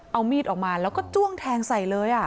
เอามีดออกมาแล้วก็จ้วงแทงใส่เลย